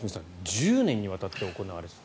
１０年にわたって行われていた。